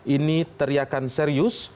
ini teriakan serius